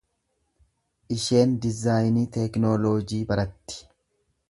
Isheen dizaayinii tekinoolojii baratti.